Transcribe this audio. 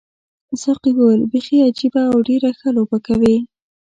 ساقي وویل بیخي عجیبه او ډېره ښه لوبه کوي.